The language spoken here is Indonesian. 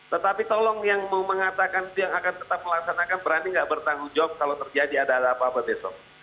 tetapi tolong yang mau mengatakan itu yang akan tetap melaksanakan berani nggak bertanggung jawab kalau terjadi ada apa apa besok